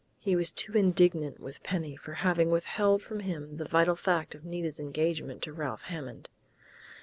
He was too indignant with Penny for having withheld from him the vital fact of Nita's engagement to Ralph Hammond....